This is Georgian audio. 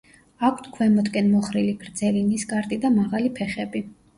აქვთ ქვემოთკენ მოხრილი გრძელი ნისკარტი და მაღალი ფეხები.